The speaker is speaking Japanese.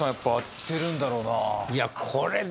いや